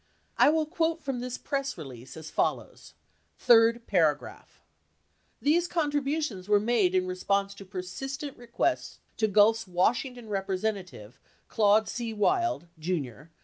I will quote from this press release as follows — third paragraph : "These contributions were made in response to persistent requests to Gulf's Washington representative, Claude C. Wild, J r.